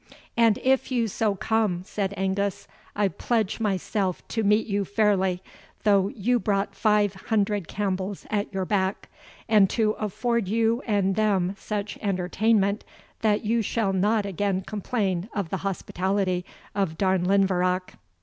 "And if you so come," said Angus, "I pledge myself to meet you fairly, though you brought five hundred Campbells at your back, and to afford you and them such entertainment, that you shall not again complain of the hospitality of Darnlinvarach."